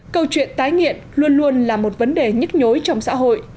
câu chuyện tái nghiện luôn luôn là một vấn đề nhức nhối trong xã hội